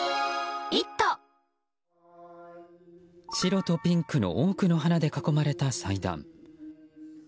白とピンクの多くの花で囲まれた祭壇。